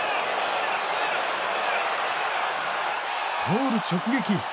ポール直撃。